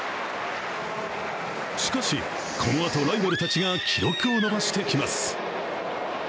しかし、このあとライバルたちが記録を伸ばしてきます。